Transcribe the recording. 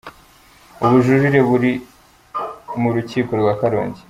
ubujurire buri mu rukiko rwa Karongi